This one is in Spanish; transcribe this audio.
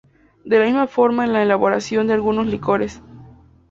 De la misma forma en la elaboración de algunos licores.